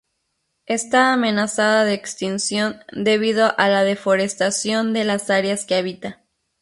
Está amenazada de extinción debido a la deforestación de las áreas que habita.